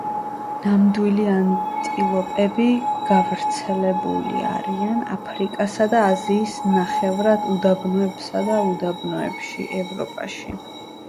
ნამდვილი ანტილოპები გავრცელებული არიან აფრიკისა და აზიის ნახევრად უდაბნოებსა და უდაბნოებში, ევროპაში.